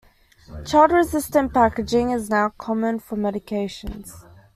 Child-resistant packaging is now common for medications.